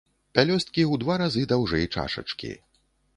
Пялёсткі ў два разы даўжэй чашачкі.